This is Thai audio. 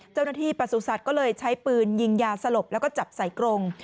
เจ้าหน้าที่ประสุนสัตว์ก็เลยใช้ปืนยิงยาสลบแล้วก็จับใส่กรง